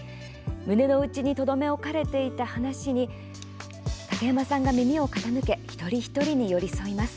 胸の内にとどめ置かれていた話に竹山さんが耳を傾け一人一人に寄り添います。